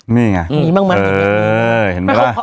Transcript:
นี่ไงเห็นไหมล่ะ